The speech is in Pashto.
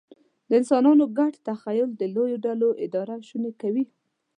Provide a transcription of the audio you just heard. د انسانانو ګډ تخیل د لویو ډلو اداره شونې کوي.